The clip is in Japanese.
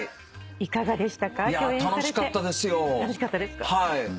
いかがでした？